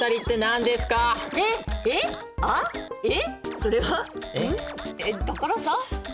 それはだからさ。